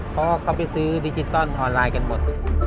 เพราะเขาไปซื้อดิจิตอลออนไลน์กันหมด